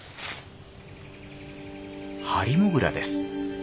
ハリモグラです。